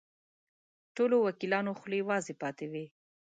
ټولو وکیلانو خولې وازې پاتې وې.